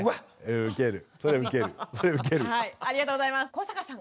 古坂さん